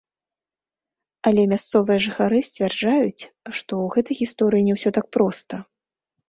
Але мясцовыя жыхары сцвярджаюць, што ў гэтай гісторыі не ўсё так проста.